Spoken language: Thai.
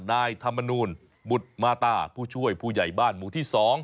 นายธรรมนูลบุตรมาตาผู้ช่วยผู้ใหญ่บ้านหมู่ที่๒